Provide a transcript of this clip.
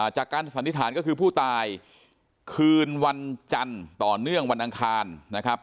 สันนิษฐานก็คือผู้ตายคืนวันจันทร์ต่อเนื่องวันอังคารนะครับ